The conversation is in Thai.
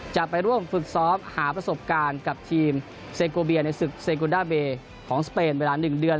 จะไปร่วมฝึกซ้อมหาประสบการณ์กับทีมเซโกเบียในศึกเซโกดาเบย์ของสเปนเวลา๑เดือน